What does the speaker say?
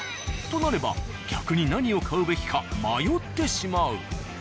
となれば逆に何を買うべきか迷ってしまう。